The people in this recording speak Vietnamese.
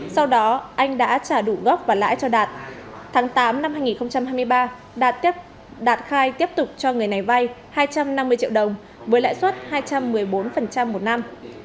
sau đó anh đã trả đủ gốc và lãi cho đạt tháng tám năm hai nghìn hai mươi ba đạt khai tiếp tục cho người này vay hai trăm năm mươi triệu đồng với lãi suất hai trăm một mươi bốn một năm